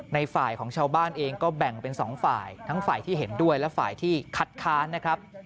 ในฝ่ายของชาวบ้านเองก็แบ่งเป็นสองฝ่ายทั้งฝ่ายที่เห็นด้วยและฝ่ายที่คัดค้านนะครับ